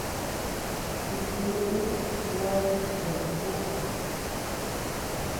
Chikuʼu gua chikueñ ú c.